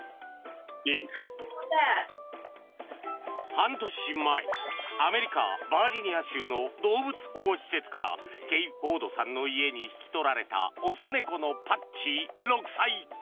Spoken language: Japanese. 半年前アメリカ・バージニア州の動物保護施設からケイ・フォードさんの家に引き取られた雄猫のパッチ、６歳。